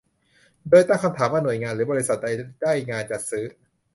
โดยตั้งคำถามว่าหน่วยงานหรือบริษัทใดได้งานจัดซื้อ